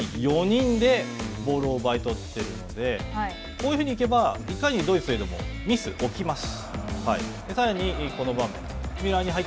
３人、４人でボールを奪いとっているので、こういうふうに行けばいかにドイツといえどもミスは起きます。